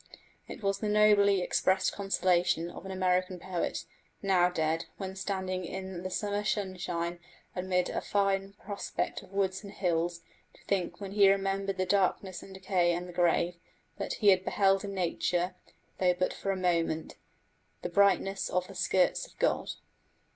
It was the nobly expressed consolation of an American poet, now dead, when standing in the summer sunshine amid a fine prospect of woods and hills, to think, when he remembered the darkness of decay and the grave, that he had beheld in nature, though but for a moment, The brightness of the skirts of God.